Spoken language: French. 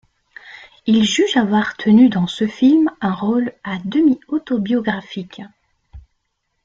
Il juge avoir tenu dans ce film un rôle à-demi autobiographique.